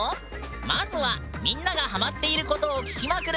まずはみんながハマっていることを聞きまくる